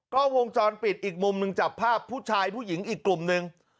ก็วงจรปิดอีกมุมหนึ่งจับภาพผู้ชายผู้หญิงอีกกลุ่มหนึ่ง